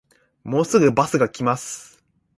もうすぐバスが来ます